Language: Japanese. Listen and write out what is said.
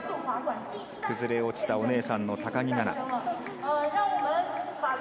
崩れ落ちたお姉さんの高木菜那。